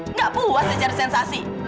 nggak puas dicari sensasi